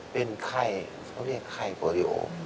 เป็นไข้เขาเรียกไข้โปรดิโอ